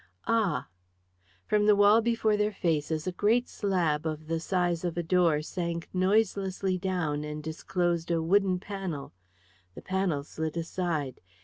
Ah!" From the wall before their faces a great slab of the size of a door sank noiselessly down and disclosed a wooden panel. The panel slid aside.